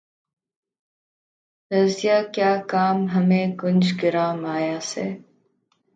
رضیہؔ کیا کام ہمیں گنج گراں مایہ سے